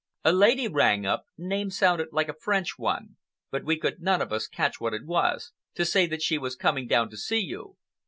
"A lady rang up—name sounded like a French one, but we could none of us catch what it was—to say that she was coming down to see you."